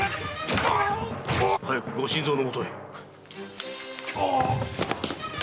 早くご新造のもとへ。